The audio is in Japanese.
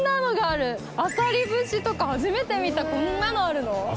あさり節とか初めて見たこんなのあるの？